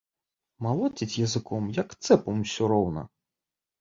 Малоціць языком, як цэпам усё роўна.